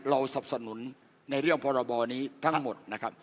สับสนุนในเรื่องพรบนี้ทั้งหมดนะครับ